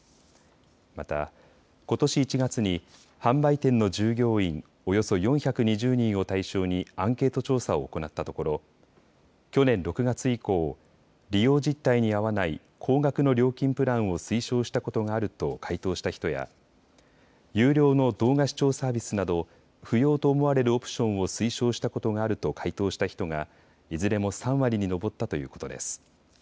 また、ことし１月に販売店の従業員およそ４２０人を対象にアンケート調査を行ったところ去年６月以降、利用実態に合わない高額の料金プランを推奨したことがあると回答した人や有料の動画視聴サービスなど不要と思われるオプションを推奨したことがあると回答した人がいずれも３割に上ったということです。